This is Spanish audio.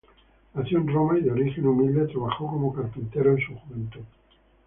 Nacido en Roma, y de origen humilde, trabajó como carpintero en su juventud.